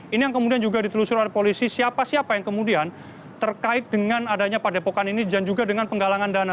ini yang kemudian juga ditelusuri oleh polisi siapa siapa yang kemudian terkait dengan adanya padepokan ini dan juga dengan penggalangan dana